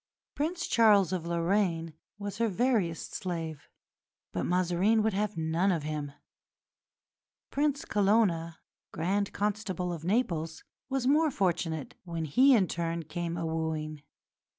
Prince Charles of Lorraine was her veriest slave, but Mazarin would have none of him. Prince Colonna, Grand Constable of Naples, was more fortunate when he in turn came a wooing.